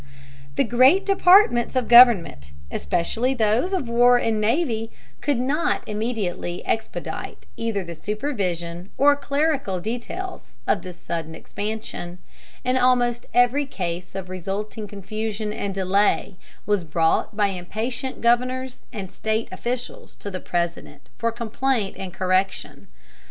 The great departments of government, especially those of war and navy, could not immediately expedite either the supervision or clerical details of this sudden expansion, and almost every case of resulting confusion and delay was brought by impatient governors and State officials to the President for complaint and correction.